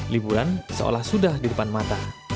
liburan seolah sudah di depan mata